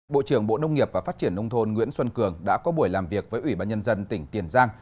bộ trưởng bộ nông nghiệp và phát triển nông thôn nguyễn xuân cường đã có buổi làm việc với ủy ban nhân dân tỉnh tiền giang